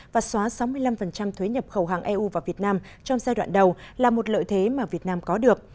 và xóa sáu mươi năm thuế nhập khẩu hàng eu vào việt nam trong giai đoạn đầu là một lợi thế mà việt nam có được